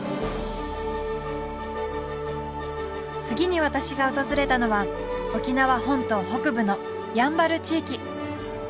次に私が訪れたのは沖縄本島北部のやんばる地域。